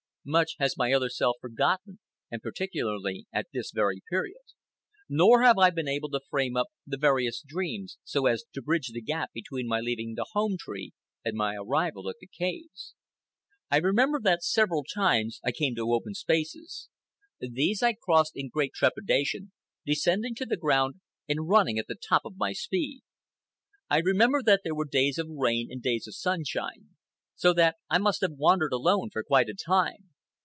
Much has my other self forgotten, and particularly at this very period. Nor have I been able to frame up the various dreams so as to bridge the gap between my leaving the home tree and my arrival at the caves. I remember that several times I came to open spaces. These I crossed in great trepidation, descending to the ground and running at the top of my speed. I remember that there were days of rain and days of sunshine, so that I must have wandered alone for quite a time.